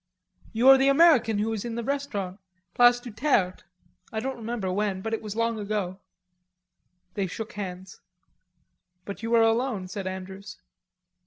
"You are the American who was in the Restaurant, Place du Terte, I don't remember when, but it was long ago." They shook hands. "But you are alone," said Andrews.